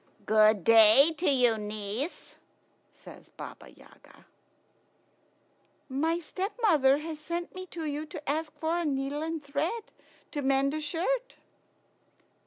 "Good day to you, niece," says Baba Yaga. "My stepmother has sent me to you to ask for a needle and thread to mend a shirt."